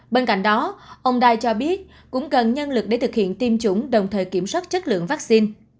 bên cạnh đó ông đai cho biết cũng cần nhân lực để thực hiện tiêm chủng đồng thời kiểm soát chất lượng vaccine